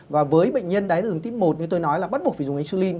và với bệnh nhân đài tháo đường tiếp một như tôi nói là bắt buộc phải dùng insulin